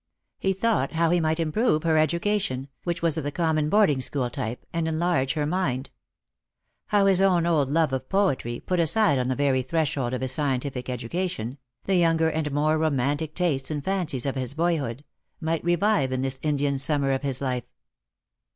He thought how he might improve her education, which was of the common boarding school type, and enlarge her mind. How his own old love of poetry, put aside on the very threshold of his scientific education — the younger and more romantic tastes and fancies of his boyhood — might revive in this Indian summer of his life.